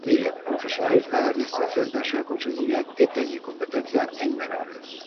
Mire, profesionais da Administración, da súa consellería, que teñen competencia en menores.